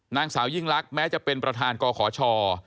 นางสาวยิ่งลักษณ์แม้จะเป็นประธานกขช